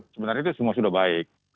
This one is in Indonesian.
sebenarnya itu semua sudah baik